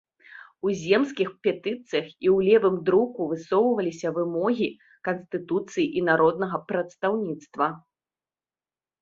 У земскіх петыцыях і ў левым друку высоўваліся вымогі канстытуцыі і народнага прадстаўніцтва.